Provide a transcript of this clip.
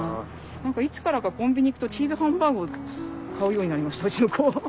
何かいつからかコンビニ行くとチーズハンバーグを買うようになりましたうちの子。